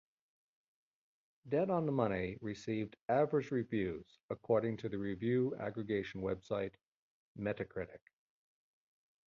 "Dead on the Money" received "average" reviews according to the review aggregation website Metacritic.